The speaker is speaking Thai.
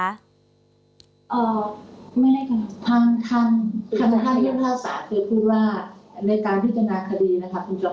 ไม่ได้ค่ะคำถามยกฟ้าศาสตร์คือพูดว่า